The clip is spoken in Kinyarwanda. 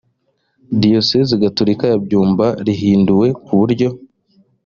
diyosezi gatolika ya byumba rihinduwe ku buryo